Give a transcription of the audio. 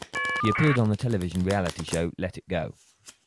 He appeared on the television reality show ""Let It Go!